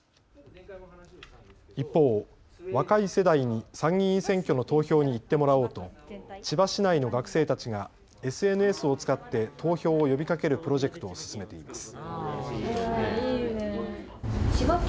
一方、若い世代に参議院選挙の投票に行ってもらおうと千葉市内の学生たちがＳＮＳを使って投票を呼びかけるプロジェクトを進めています。